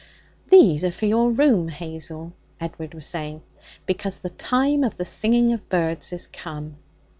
'These are for your room, Hazel,' Edward was saying, 'because the time of the singing of birds is come.'